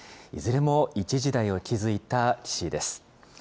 いずれも一時代を築いた棋士です。